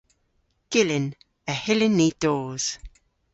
Gyllyn. Y hyllyn ni dos.